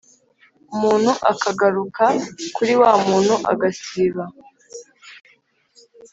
umuntu akagaruka kuri wa muntu agasiba